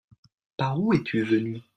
Par où es-tu venu ?